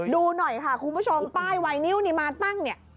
ดูหน่อยค่ะคุณผู้ชมป้ายไวนิ้วนี่มาตั้งเนี่ย